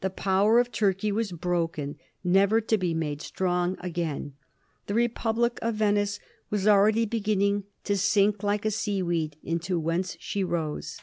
The power of Turkey was broken, never to be made strong again ; the republic of Venice was already beginning to * sink like a seaweed into whence she rose.'